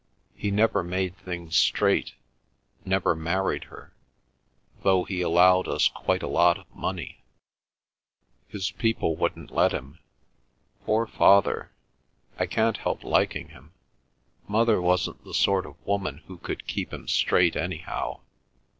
He never made things straight—never married her—though he allowed us quite a lot of money. His people wouldn't let him. Poor father! I can't help liking him. Mother wasn't the sort of woman who could keep him straight, anyhow.